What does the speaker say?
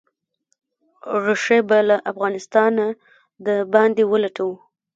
ریښې به «له افغانستانه د باندې ولټوو».